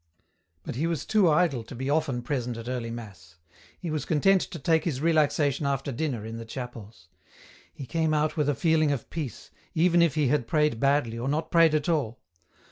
But he was too idle to be often present at early mass ; he was content to take his relaxation after dinner in the chapels. He came out with a feeling of peace, even if he had prayed badly or not prayed at all.